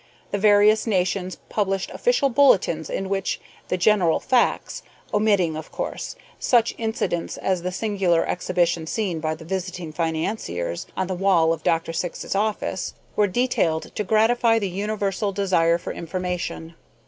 The various nations published official bulletins in which the general facts omitting, of course, such incidents as the singular exhibition seen by the visiting financiers on the wall of Dr. Syx's office were detailed to gratify the universal desire for information.